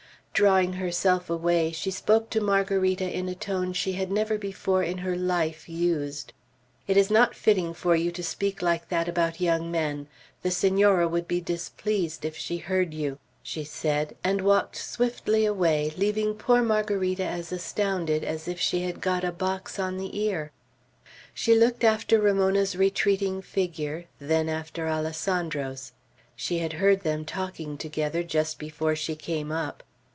Drawing herself away, she spoke to Margarita in a tone she had never before in her life used. "It is not fitting to speak like that about young men. The Senora would be displeased if she heard you," she said, and walked swiftly away leaving poor Margarita as astounded as if she had got a box on the ear. She looked after Ramona's retreating figure, then after Alessandro's. She had heard them talking together just before she came up.